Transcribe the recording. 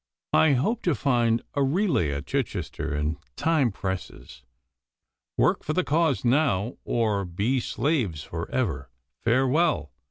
'I hope to find a relay at Chichester, and time presses. Work for the cause now, or be slaves for ever. Farewell!